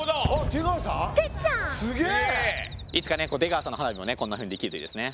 いつかね出川さんの花火もねこんなふうにできるといいですね。